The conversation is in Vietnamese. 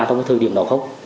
trong cái thời điểm đó khóc